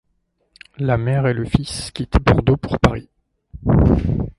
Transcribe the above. La mère et le fils quittent Bordeaux pour Paris.